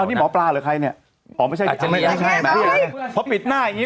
เอ้านี่หมอปลาหรือใครเนี้ยอ๋อไม่ใช่ไม่ใช่เพราะปิดหน้าอย่างเงี้ย